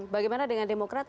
bagaimana dengan demokrat